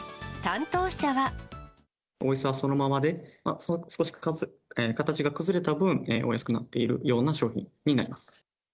おいしさはそのままで、少し形が崩れた分、お安くなっているような商品になります。